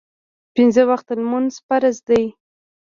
پینځه وخته لمونځ فرض دی